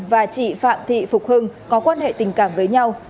và chị phạm thị phục hưng có quan hệ tình cảm với nhau